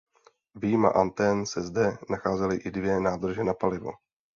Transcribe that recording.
Vyjma antén se zde nacházely i dvě nádrže na palivo.